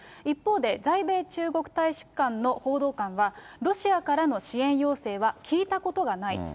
一方で、在米中国大使館の報道官は、ロシアからの支援要請は聞いたことがない。